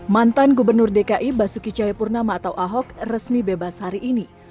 mantan gubernur dki basuki cahayapurnama atau ahok resmi bebas hari ini